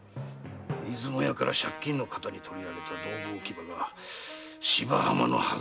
出雲屋から借金のカタに取り上げた道具置き場が芝浜のはずれにございます。